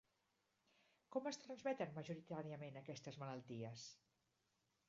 Com es transmeten majoritàriament aquestes malalties?